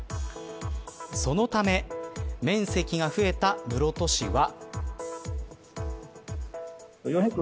そのため面積が増えた室戸市は。